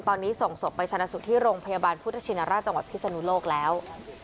ตอนนี้ส่งศพไปชนะสูตรที่โรงพยาบาลพุทธชินราชจังหวัดพิศนุโลกแล้ว